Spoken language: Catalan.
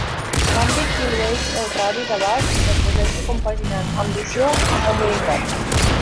L'àmbit dilueix el radi d'abast del projecte compaginant ambició amb humilitat.